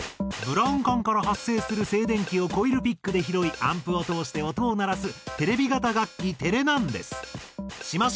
ブラウン管から発生する静電気をコイルピックで拾いアンプを通して音を鳴らすテレビ型楽器テレナンデス。